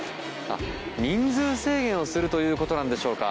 人数制限をするということでしょうか。